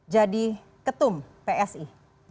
jadi ketum psi